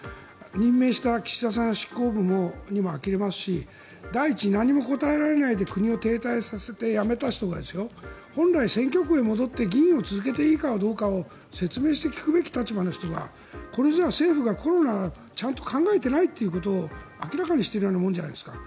任命した岸田さん、執行部もあきれますし第一何も答えられないで国を停滞させて辞めた人が本来、選挙区へ戻って議員を続けていいかどうかを説明して聞くべき立場の人がこれじゃ政府がコロナをちゃんと考えてないということを明らかにしているようなものじゃないですか。